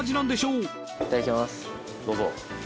どうぞ。